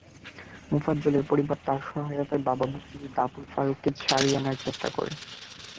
মোফাজ্জলের পরিবার তাঁর সহায়তায় বাবা মুক্তিযোদ্ধা আবদুল ফারুককে ছাড়িয়ে আনার চেষ্টা করে।